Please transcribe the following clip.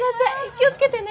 気を付けてね。